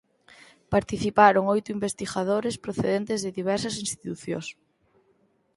Participaron oito investigadores procedentes de diversas institucións.